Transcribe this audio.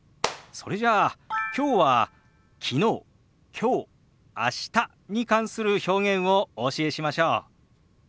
それじゃあきょうは昨日きょう明日に関する表現をお教えしましょう。